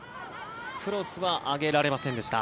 クロスは上げられませんでした。